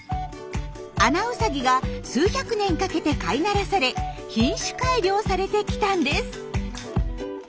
アナウサギが数百年かけて飼い慣らされ品種改良されてきたんです。